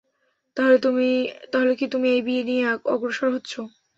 তাহলে কি তুমি এই বিয়ে নিয়ে অগ্রসর হচ্ছ?